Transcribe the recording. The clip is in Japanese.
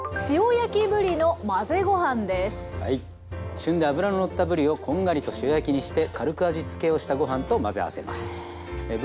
旬で脂ののったぶりをこんがりと塩焼きにして軽く味つけをしたご飯と混ぜ合わせます。